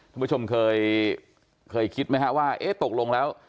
ท่านผู้ชมเคยคิดไหมคะว่าตกลงแล้ว